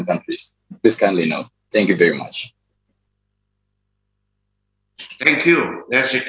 silakan beritahu kami terima kasih banyak banyak